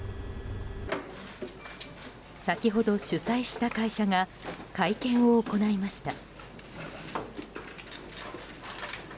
先ほど主催した会社が会見を行いました。